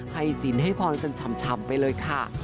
สินให้พรกันชำไปเลยค่ะ